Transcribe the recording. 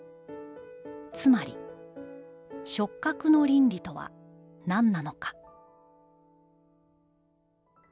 つまり触覚の倫理とは何なのか」。